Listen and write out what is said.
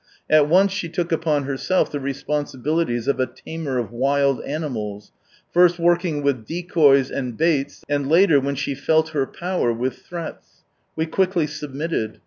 At once she took upon herself the responsibilities of a tamer of wild animals, first working with decoys and baits, and later, when she felt her power, with threats. We quickly submitted.